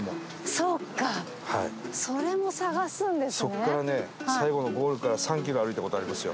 そこからね最後のゴールから３キロ歩いた事ありますよ。